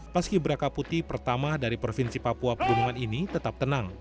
paski beraka putih pertama dari provinsi papua pegunungan ini tetap tenang